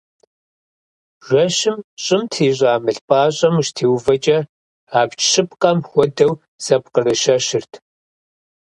Жэщым щӏым трищӏа мыл пӏащӏэм ущытеувэкӏэ абдж щыпкъэм хуэдэу зэпкъырыщэщырт.